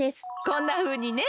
こんなふうにね。